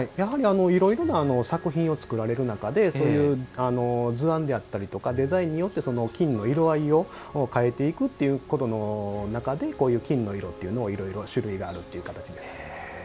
いろいろな作品を作る中でそういう図案であったりデザインによって金の色合いを変えていくっていうことの中で金の色っていうのは、いろいろ種類があるっていう形です。